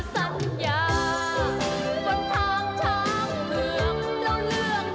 บนทางทางเผื่อ